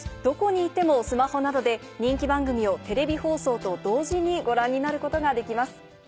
どこにいてもスマホなどで人気番組をテレビ放送と同時にご覧になることができます。